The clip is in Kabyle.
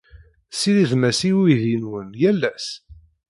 Tessiridem-as i uydi-nwen yal ass?